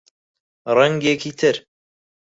ڕەنگێکی تر